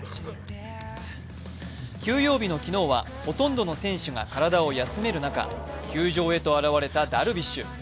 休養日の昨日はほとんどの選手が体を休める中球場へと現れたダルビッシュ。